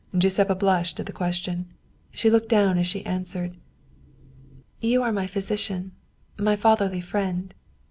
Giuseppa blushed at the question. She looked down as she answered :" You are my physician, my fatherly friend.